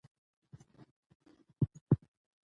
افغانستان په بدخشان غني دی.